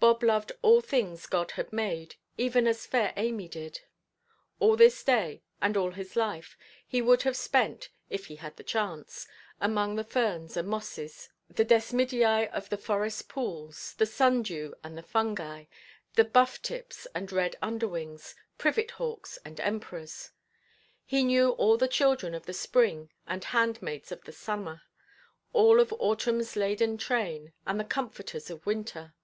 Bob loved all things God had made, even as fair Amy did. All his day, and all his life, he would have spent, if he had the chance, among the ferns and mosses, the desmidiæ of the forest pools, the sun–dew and the fungi, the buff–tips and red underwings, privet–hawks, and emperors. He knew all the children of the spring and handmaids of the summer, all of autumnʼs laden train and the comforters of winter.